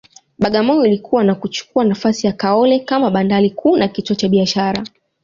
Bagamoyo ilikua na kuchukua nafasi ya Kaole kama bandari kuu na kituo cha biashara